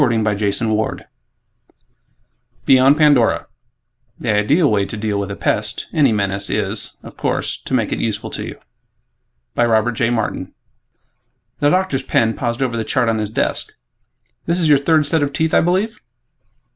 net Beyond Pandora The ideal way to deal with a pest any menace is, of course, to make it useful to you.... by Robert J. Martin The doctor's pen paused over the chart on his desk, "This is your third set of teeth, I believe?"